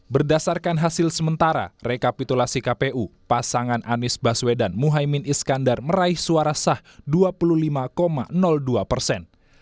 berdasarkan hasil sementara rekapitulasi kpu pasangan anies baswedan muhaymin iskandar meraih suara sah dua puluh lima dua persen